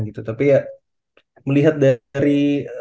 gitu tapi ya melihat dari